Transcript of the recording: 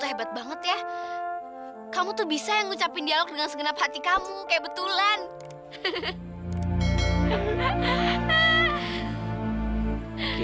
hebat banget ya kamu tuh bisa yang ngucapin dialog dengan segenap hati kamu kayak kebetulan